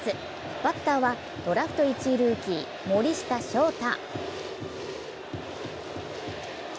バッターはドラフト１位ルーキー・森下翔太。